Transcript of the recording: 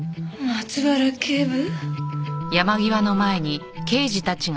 松原警部。